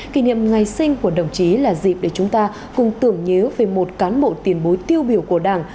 kỷ niệm ngày sinh của đồng chí là dịp để chúng ta cùng tưởng nhớ về một cán bộ tiền bối tiêu biểu của đảng